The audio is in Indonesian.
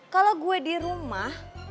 kalau gue di rumah